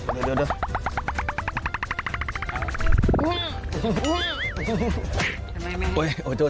ทำไมไม่ให้โอ๊ยโอ้ยโจ๊ะ